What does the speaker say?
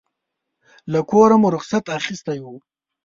له کوره مو رخصت اخیستی و.